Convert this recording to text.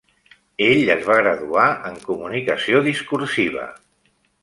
Ell es va graduar en comunicació discursiva.